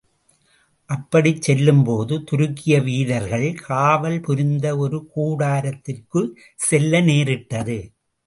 அப்படிச் செல்லும்போது, துருக்கிய வீரர்கள் காவல் புரிந்த ஒரு கூடாரத்திற்குச் செல்ல நேரிட்டது.